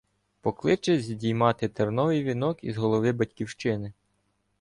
Покличе здіймати терновий вінок із голови Батьківщини!